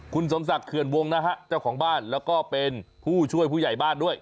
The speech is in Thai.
คุณสมศักดิ์เขื่อนวงนะฮะเจ้าของบ้านแล้วก็เป็นผู้ช่วยผู้ใหญ่บ้านด้วย